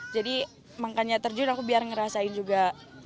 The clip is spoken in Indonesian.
jadi mangkanya terjun aku biar ngerasain juga